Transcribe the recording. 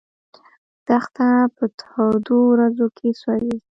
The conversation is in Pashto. دښته په تودو ورځو کې سوځي.